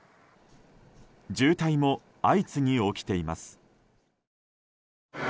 渋滞も相次ぎ起きています。